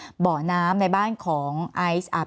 แอนตาซินเยลโรคกระเพาะอาหารท้องอืดจุกเสียดแสบร้อน